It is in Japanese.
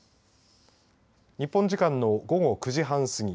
日本時間の午後９時半過ぎ